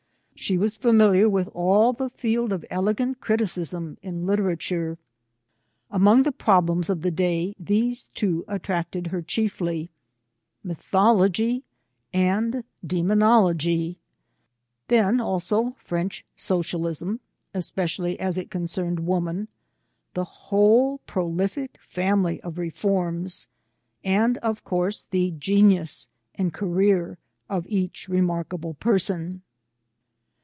She was familiar with all the field of elegant criticism in literature. Among the pro blems of the day, these two attracted her chiefly, ^Mythology and Dsemonology ; then, also, French Sociahsm, especially as it concerned woman: the whole prolific family of reforms, and, of course, the genius and career of each remarkable person.